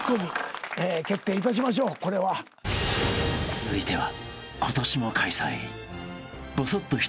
［続いては今年も開催］